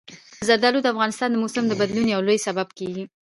زردالو د افغانستان د موسم د بدلون یو لوی سبب کېږي.